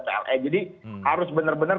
pln jadi harus benar benar